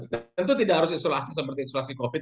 tentu tidak harus isolasi seperti isolasi covid sembilan belas